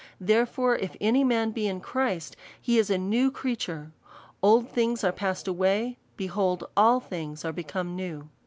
Therefore if any man be in Christ, he is a new creature : old things are passed away ; behold all things are become new."